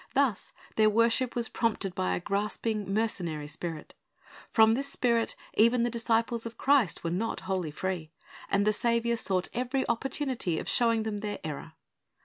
Thus their worship was prompted by a grasping, mercenary spirit. From this spirit even the disciples of Christ were not wholly free, and the Saviour sought every opportunity of showing them their error.